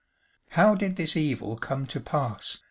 "How did this evil come to pass?"